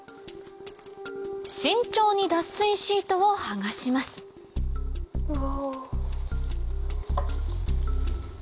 慎重に脱水シートを剥がしますうわ。